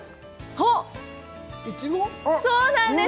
そうなんです！